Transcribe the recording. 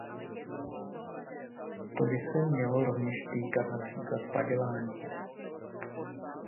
To by se mělo rovněž týkat například padělání.